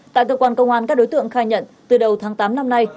tại cơ quan công an các đối tượng khai nhận từ đầu tháng tám năm nay